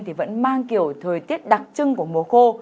thì vẫn mang kiểu thời tiết đặc trưng của mùa khô